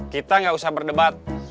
kita gak usah berdebat